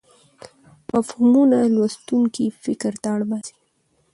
مفهومونه لوستونکی فکر ته اړ باسي.